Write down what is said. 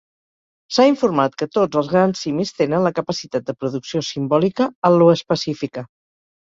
S'ha informat que tots els grans simis tenen la capacitat de producció simbòlica al·loespecífica.